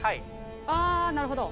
あなるほど。